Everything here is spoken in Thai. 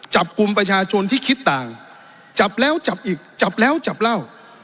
จับกลุ่มประชาชนที่คิดต่างจับแล้วจับอีกจับแล้วจับเล่า